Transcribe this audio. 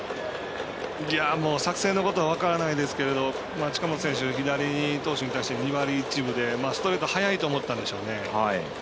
作戦のことは分からないですけど近本選手、左投手に対して２割１分でストレート速いと思ったんでしょうね。